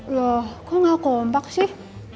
loh kok gak kompak sih